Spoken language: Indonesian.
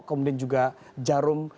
kemudian juga jarum